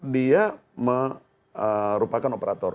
dia merupakan operator